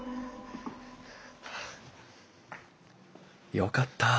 よかった。